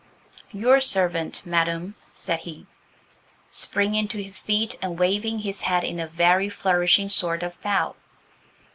"Your servant, madam," said he, springing to his feet and waving his hat in a very flourishing sort of bow.